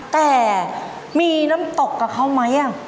แต่มีน้ำตกกับเขาไหม